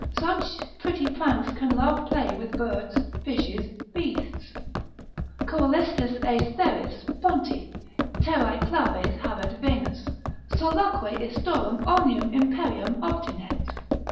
Such pretty pranks can love play with birds, fishes, beasts: (Coelestis aestheris, ponti, terrae claves habet Venus, Solaque istorum omnium imperium obtinet.)